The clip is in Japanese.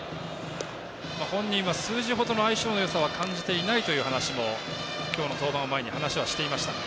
本人は数字ほどの相性のよさは感じていないという話も今日の登板を前に話はしていました。